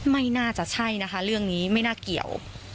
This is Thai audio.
ไม่น่าจะใช่นะคะเรื่องนี้ไม่น่าเกี่ยว